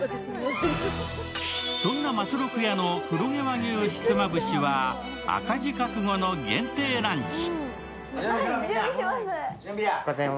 そんな松六家の黒毛和牛ひつまぶしは赤字覚悟の限定ランチ。